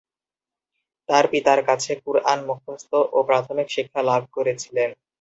তিনি পিতার কাছে "কুরআন" মুখস্থ ও প্রাথমিক শিক্ষা লাভ করেছিলেন।